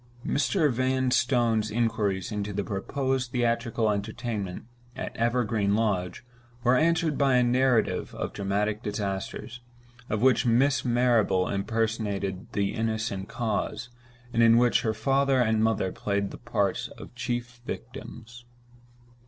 Mr. Vanstone's inquiries into the proposed theatrical entertainment at Evergreen Lodge were answered by a narrative of dramatic disasters; of which Miss Marrable impersonated the innocent cause, and in which her father and mother played the parts of chief victims.